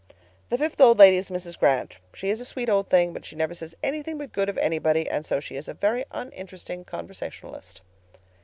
"The fifth old lady is Mrs. Grant. She is a sweet old thing; but she never says anything but good of anybody and so she is a very uninteresting conversationalist.